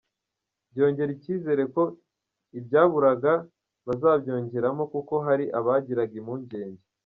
Byongera icyizere ko ibyaburaga bazabyongeramo kuko hari abagiraga impungenge.